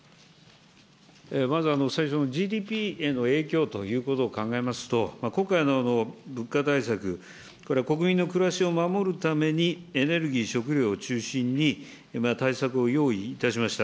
まず最初のＧＤＰへの影響ということを考えますと、今回の物価対策、これは国民の暮らしを守るために、エネルギー、食料を中心に対策を用意いたしました。